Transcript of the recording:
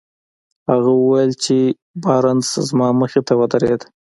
هغه وويل چې بارنس زما مخې ته ودرېد.